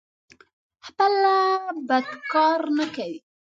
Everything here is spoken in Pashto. خپله بد کار نه کوي.